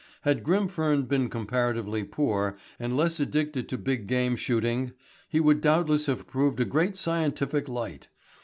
Had Grimfern been comparatively poor, and less addicted to big game shooting, he would doubtless have proved a great scientific light.